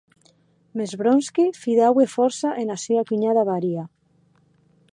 Mès Vronsky fidaue fòrça ena sua cunhada Varia.